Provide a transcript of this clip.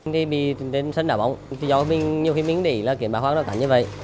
mình đi đến sân đảo bóng nhiều khi mình nghĩ kiến bạc khoang nó cản như vậy